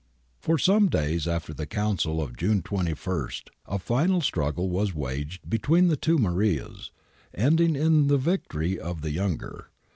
For some days after the Council of June 21 a final struggle was waged between the two Marias, ending in the victory of the younger.